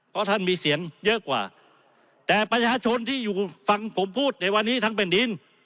เพราะท่านมีเสียงเยอะกว่าแต่ประชาชนที่อยู่ฟังผมพูดในวันนี้ทั้งแผ่นดิน